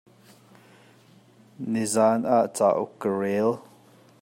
Nizaan ah cauk ka rel.